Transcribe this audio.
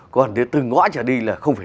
còn từ ngõ trở đi là không phải